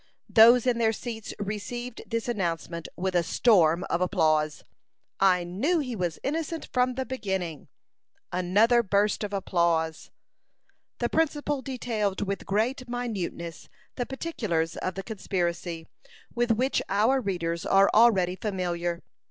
Those in their seats received this announcement with a storm of applause. "I knew he was innocent from the beginning." Another burst of applause. The principal detailed with great minuteness the particulars of the conspiracy, with which our readers are already familiar.